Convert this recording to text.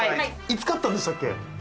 いつ買ったんでしたっけ？